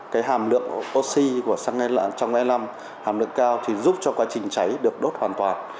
cái hàm lượng oxy của xăng e năm trong e năm hàm lượng cao thì giúp cho quá trình cháy được đốt hoàn toàn